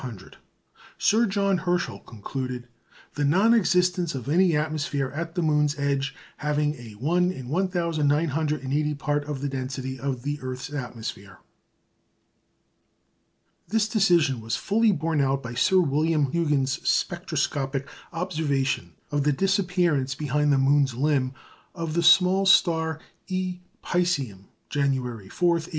Sir John Herschel concluded "the non existence of any atmosphere at the moon's edge having 1/1980 part of the density of the earth's atmosphere." This decision was fully borne out by Sir William Huggins's spectroscopic observation of the disappearance behind the moon's limb of the small star Eta Piscium, January 4, 1865.